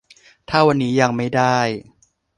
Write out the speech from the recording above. ถ้าวันนี้ยังไม่ได้